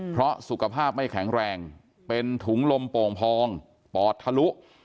เพราะสุขภาพไม่แข็งแรงเป็นถุงลมโป่งพองปอดทะลุ